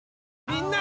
みんな！